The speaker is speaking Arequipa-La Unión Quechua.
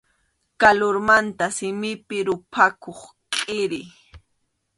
Kalurmanta simipi ruphakuq kʼiri.